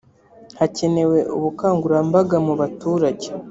hakenewe ubukangurambaga mu baturage